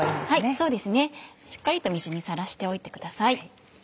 そうですねしっかりと水にさらしておいてください。